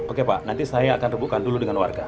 oke pak nanti saya akan rebuhkan dulu dengan warga